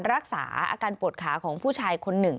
รักษาอาการปวดขาของผู้ชายคนหนึ่ง